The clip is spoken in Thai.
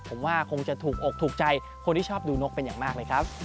ผมว่าคงจะถูกอกถูกใจคนที่ชอบดูนกเป็นอย่างมากเลยครับ